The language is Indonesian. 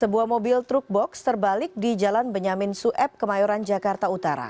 sebuah mobil truk box terbalik di jalan benyamin sueb kemayoran jakarta utara